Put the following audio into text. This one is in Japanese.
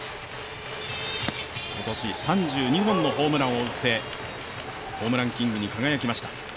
今年３２本のホームランを打って、ホームランキングに輝きました。